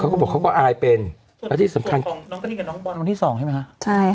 เขาก็บอกเขาก็อายเป็นแล้วที่สำคัญส่วนของน้องกะทิกับน้องบอลวันที่สองใช่ไหมคะ